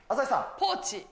ポーチ。